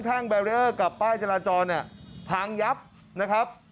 ทั้งแบรียอร์กับป้ายจราจรพางยับนะครับ